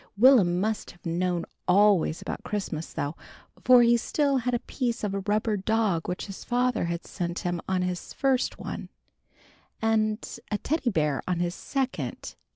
Will'm must have known always about Christmas though, for he still had a piece of a rubber dog which his father had sent him on his first one, and a Teddy Bear on his second.